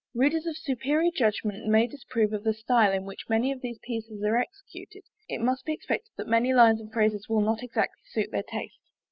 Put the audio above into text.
Readers of superior judgment may disapprove of the style in which many of these pieces are executed it must be expected that many lines and phrases will not exactly suit their taste.